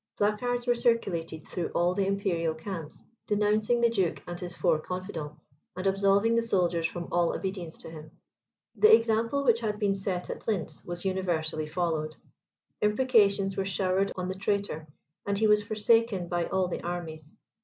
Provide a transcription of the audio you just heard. Placards were circulated through all the imperial camps, denouncing the duke and his four confidants, and absolving the soldiers from all obedience to him. The example which had been set at Lintz, was universally followed; imprecations were showered on the traitor, and he was forsaken by all the armies.